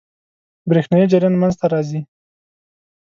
برېښنايي جریان منځ ته راځي.